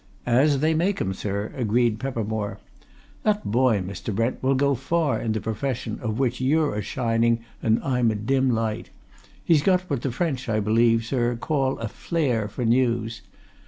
"As they make 'em, sir," agreed Peppermore. "That boy, Mr. Brent, will go far in the profession of which you're a shining and I'm a dim light! he's got what the French, I believe, sir, call a flair for news.